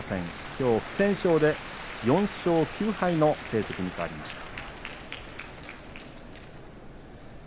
きょう不戦勝で４勝９敗の成績に変わりました。